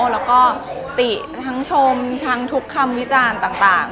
แล้วก็ติทั้งชมทั้งทุกคำวิจารณ์ต่าง